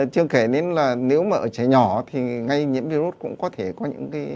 chưa kể nên là nếu mà ở trẻ nhỏ thì ngay nhiễm virus cũng có thể có những cái